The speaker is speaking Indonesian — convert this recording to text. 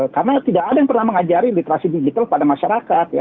karena tidak ada yang pernah mengajari literasi digital pada masyarakat